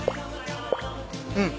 うん。